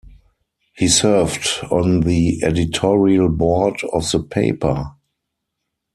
He served on the editorial board of the paper.